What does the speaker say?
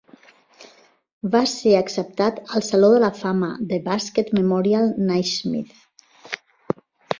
Va ser acceptat al Saló de la fama de bàsquet Memorial Naismith.